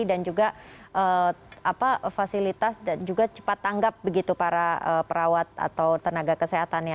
dan juga fasilitas cepat tanggap begitu para perawat atau tenaga kesehatannya